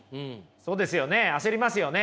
そうですよね焦りますよね。